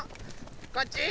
こっち？